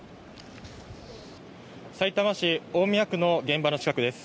さいたま市大宮区の現場の近くです。